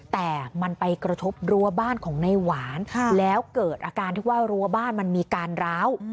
แต่มันไปกระทบรั้วบ้านของในหวานแล้วเกิดอาการที่ว่ารั้วบ้านมันมีการร้าว